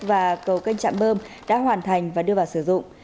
và cầu cây chạm bơm đã hoàn thành và đưa vào sử dụng